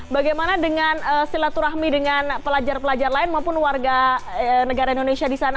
bagaimana dengan silaturahmi dengan pelajar pelajar lain maupun warga negara indonesia di sana